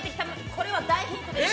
これは大ヒントです。